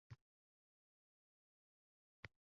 Zarar-parar bermay olib kelsinlar